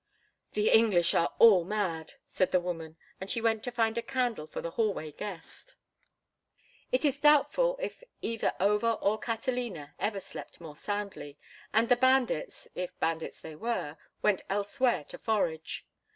"The English are all mad," said the woman, and she went to find a candle for the hallway guest. It is doubtful if either Over or Catalina ever slept more soundly, and the bandits, if bandits they were, went elsewhere to forage.